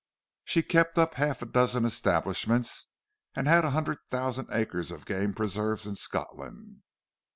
She kept up half a dozen establishments, and had a hundred thousand acres of game preserves in Scotland.